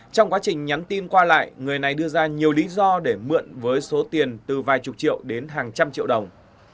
trong quá trình nhắn tin qua lại người này đưa ra nhiều lý do để mượn với số tiền từ vài chục triệu đến hàng trăm triệu đồng